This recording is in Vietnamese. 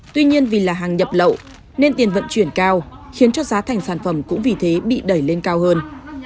tuy nhiên vì là hàng nhập lậu nên tiền vận chuyển cao khiến cho giá thành sản phẩm cũng vì thế bị đẩy lên cao hơn